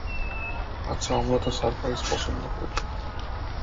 আচ্ছা, আমরা তো সারপ্রাইজ পছন্দ করি।